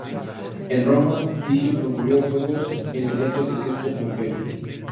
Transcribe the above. En Roma, Ticio promovió juegos en el teatro de Sexto Pompeyo.